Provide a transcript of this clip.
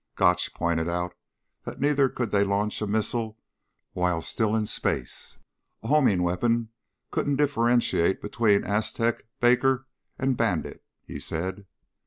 Gotch pointed out that neither could they launch a missile while still in space. "A homing weapon couldn't differentiate between Aztec, Baker and Bandit," he said.